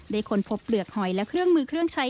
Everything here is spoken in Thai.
ค้นพบเปลือกหอยและเครื่องมือเครื่องใช้